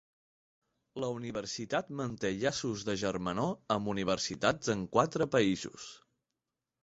La universitat manté llaços de germanor amb universitats en quatre països.